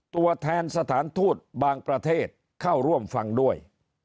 ตัวแทนสถานทูตบางประเทศเข้าร่วมฟังด้วย